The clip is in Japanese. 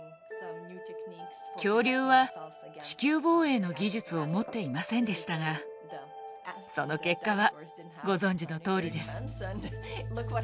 恐竜は地球防衛の技術を持っていませんでしたがその結果はご存じのとおりです。